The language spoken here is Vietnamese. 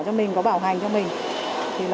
cho mình có bảo hành cho mình thì là